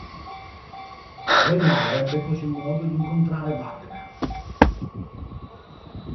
Renoir ebbe così modo di incontrare Wagner.